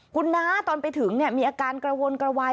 คุณน้าตอนไปถึงมีอาการกระวนกระวาย